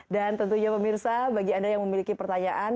dan tentunya pemirsa bagi anda yang memiliki pertanyaan